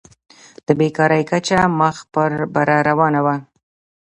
د بېکارۍ کچه مخ په بره روانه وه.